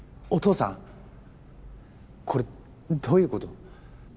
お父さんこれどういうこと？